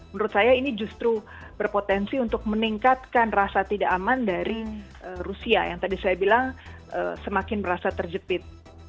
menurut saya ini justru berpotensi untuk meningkatkan rasa tidak aman dari rusia yang tadi saya bilang semakin merasa terjepit